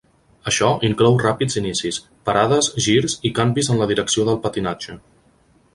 Això inclou ràpids inicis, parades, girs i canvis en la direcció del patinatge.